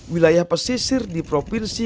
wilayah pesisir di provinsi